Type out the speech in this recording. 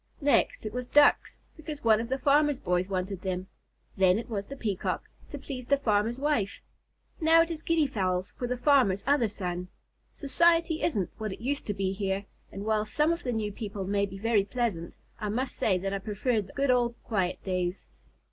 Next it was Ducks, because one of the farmer's boys wanted them. Then it was the Peacock, to please the farmer's wife. Now it is Guinea Fowls for the farmer's other son. Society isn't what it used to be here, and while some of the new people may be very pleasant, I must say that I preferred the good old quiet days."